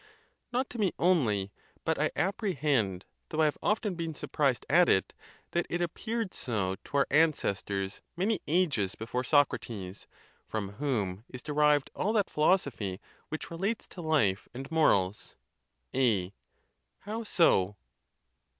Not to me only; but I apprehend, though I have often been surprised at it, that it appeared so to our an cestors many ages before Socrates; from whom is derived all that philosophy which relates to life and morals. A. How so?